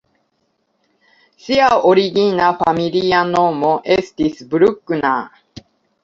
Ŝia origina familia nomo estis "Bruckner".